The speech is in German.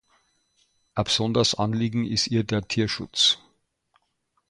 Ein besonderes Anliegen ist ihr der Tierschutz.